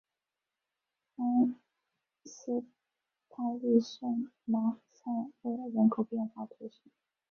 埃斯帕利圣马塞勒人口变化图示